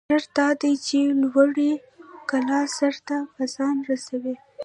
شرط دا دى، چې لوړې کلا سر ته به ځان رسوٸ.